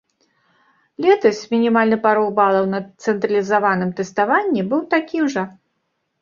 Летась мінімальны парог балаў на цэнтралізаваным тэставанні быў такім жа.